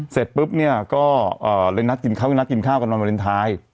เสร็จปุ๊บเนี่ยก็เลยนัดกินข้าวกันมาเมินทาย